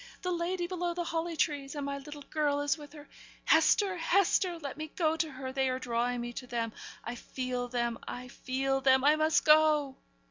the lady below the holly trees; and my little girl is with her. Hester! Hester! let me go to her; they are drawing me to them. I feel them I feel them. I must go!'